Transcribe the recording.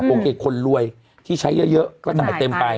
โอเคคนรวยที่ใช้เยอะก็จ่ายเต็มไป